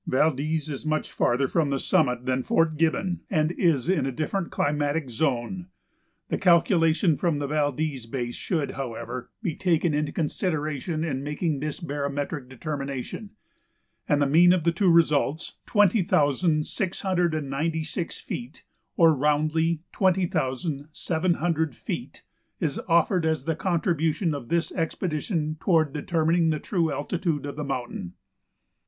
Valdez is much farther from the summit than Fort Gibbon and is in a different climatic zone. The calculation from the Valdez base should, however, be taken into consideration in making this barometric determination, and the mean of the two results, twenty thousand six hundred and ninety six feet, or, roundly, twenty thousand seven hundred feet, is offered as the contribution of this expedition toward determining the true altitude of the mountain.